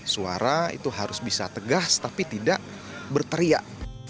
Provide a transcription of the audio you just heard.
suara itu harus bisa tegas tapi tidak berteriak